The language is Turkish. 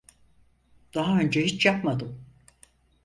Daha önce hiç yapmadım.